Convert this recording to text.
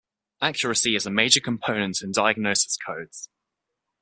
Accuracy is a major component in diagnoses codes.